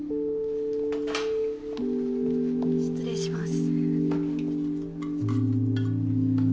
失礼します。